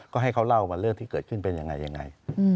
ก็ให้เขาเล่าเรื่องที่เกิดขึ้นเป็นอย่างไร